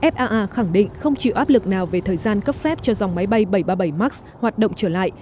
faa khẳng định không chịu áp lực nào về thời gian cấp phép cho dòng máy bay bảy trăm ba mươi bảy max hoạt động trở lại